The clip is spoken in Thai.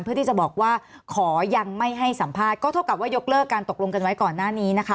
เพื่อที่จะบอกว่าขอยังไม่ให้สัมภาษณ์ก็เท่ากับว่ายกเลิกการตกลงกันไว้ก่อนหน้านี้นะคะ